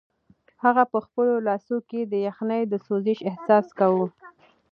هغه په خپلو لاسو کې د یخنۍ د سوزش احساس کاوه.